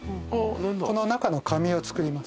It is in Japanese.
この中の紙を作ります。